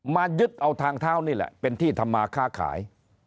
มายึดเอาทางเท้านี่แหละเป็นที่ทำมาค้าขาย